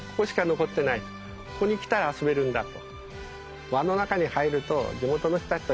ここに来たら遊べるんだと。